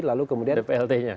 lalu kemudian plt nya